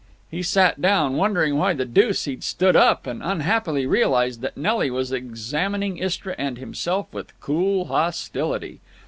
He sat down, wondering why the deuce he'd stood up, and unhappily realized that Nelly was examining Istra and himself with cool hostility.